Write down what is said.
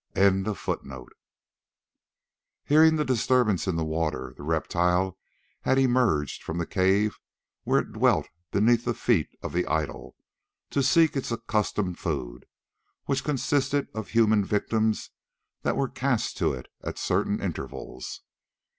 Hearing the disturbance in the water, the reptile had emerged from the cave where it dwelt beneath the feet of the idol, to seek its accustomed food, which consisted of the human victims that were cast to it at certain intervals.